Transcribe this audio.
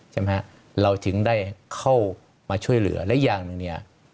ใช่ไหมฮะเราถึงได้เข้ามาช่วยเหลือและอย่างหนึ่งเนี่ย